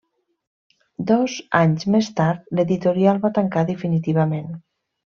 Dos anys més tard, l'editorial va tancar definitivament.